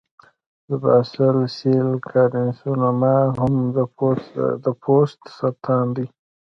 د باسل سیل کارسینوما هم د پوست سرطان دی.